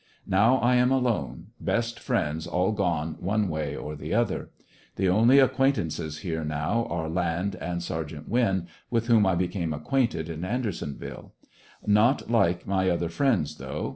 Now I am alone, best friends all gone one way or the other. The only acquaintances here now are Land and Seri>:t. Winn, with whom I became acquainted in Ander sonville. Not like m}^ other friends though.